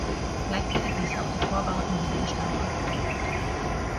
Gleichzeitig ließ er auch die Torbauten wieder instandsetzen.